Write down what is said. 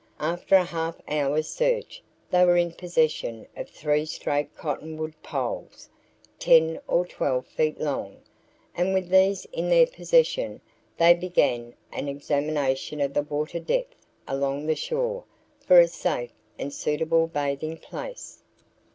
After a half hour's search they were in possession of three straight cottonwood poles, ten or twelve feet long, and with these in their possession, they began an examination of the water depth along the shore for a safe and suitable bathing place.